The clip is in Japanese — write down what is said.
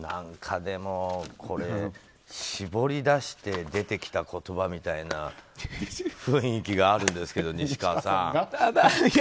これ、絞り出して出てきた言葉みたいな雰囲気があるんですけど西川さん。